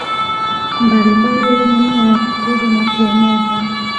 mbalimbali yenye nia ya kukuza na kueneza